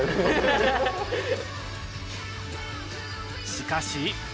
しかし。